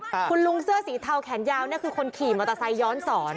คุณลุงเสื้อสีเทาแขนยาวเนี่ยคือคนขี่มอเตอร์ไซคย้อนสอน